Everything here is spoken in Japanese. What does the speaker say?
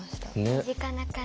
身近な感じ。